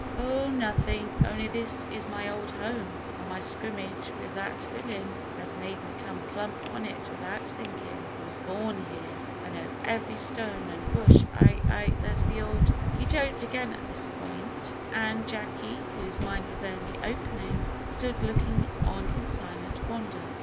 "Oh! nothing; only this is my old home, and my scrimmage with that villain has made me come plump on it without thinkin'. I was born here. I know every stone and bush. I I there's the old " He choked again at this point, and Jacky, whose mind was only opening, stood looking on in silent wonder.